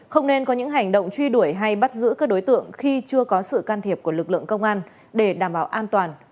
không nên có những hành động truy đuổi hay bắt giữ các đối tượng khi chưa có sự can thiệp của lực lượng công an để đảm bảo an toàn